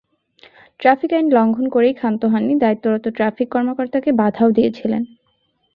Traffic আইন লঙ্ঘন করেই ক্ষান্ত হননি, দায়িত্বরত ট্রাফিক কর্মকর্তাকে বাধাও দিয়েছিলেন।